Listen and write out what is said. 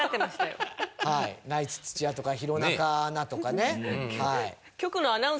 ナイツ土屋とか弘中アナとかねはい。